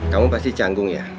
kamu pasti canggung ya